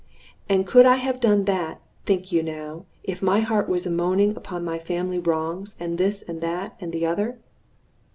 And could I have done that, think you now, if my heart was a mooning upon family wrongs, and this, that, and the other?"